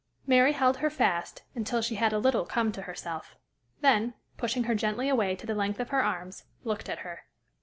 Mary held her fast until she had a little come to herself, then, pushing her gently away to the length of her arms, looked at her.